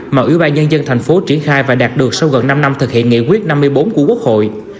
mà ủy ban nhân dân thành phố triển khai và đạt được sau gần năm năm thực hiện nghị quyết năm mươi bốn của quốc hội